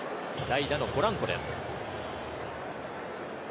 代打のポランコです。